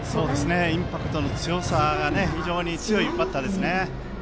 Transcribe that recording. インパクトの強さがあるバッターですね。